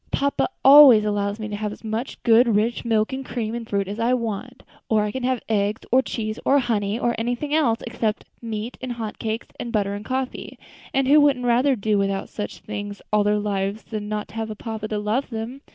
"Papa always allows me to have as much good, rich milk, and cream, and fruit as I want, or I can have eggs, or cheese, or honey, or anything else, except meat and hot cakes, and butter, and coffee; and who wouldn't rather do without such things all their lives than not have a papa to love them?